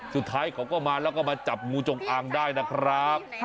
สุดท้ายเขาก็มาแล้วก็มาจับงูจงอางได้นะครับ